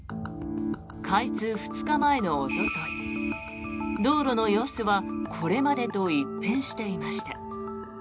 開通２日前のおととい道路の様子はこれまでと一変していました。